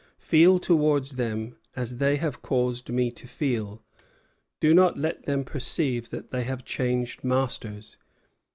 Feel towards them as they have caused me to feel. Do not let them perceive that they have changed masters.